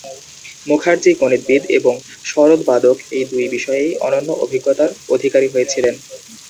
মুখার্জি গণিতবিদ এবং সরোদ বাদক এই দুই বিষয়েই অনন্য অভিজ্ঞতার অধিকারী হয়েছিলেন।